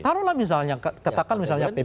taruhlah misalnya katakan misalnya pbb